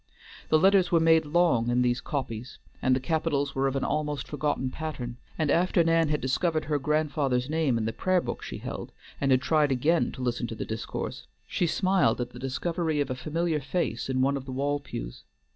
The letter s was made long in these copies and the capitals were of an almost forgotten pattern, and after Nan had discovered her grandfather's name in the prayer book she held, and had tried again to listen to the discourse, she smiled at the discovery of a familiar face in one of the wall pews.